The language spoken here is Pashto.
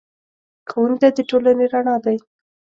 ښوونکی د ټولنې رڼا دی.